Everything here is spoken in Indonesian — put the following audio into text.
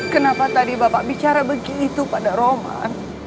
kenapa tadi bapak bicara begitu pada roman